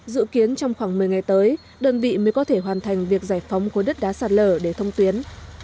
dự kiến trong khoảng một mươi ngày tới đơn vị mới có thể hoàn thành việc giải phóng khối đất đá sạt lở để thông tuyến